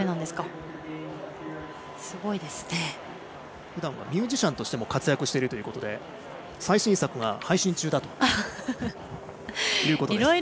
すごいですね。ふだんはミュージシャンとしても活躍しているということで最新作が配信中だということです。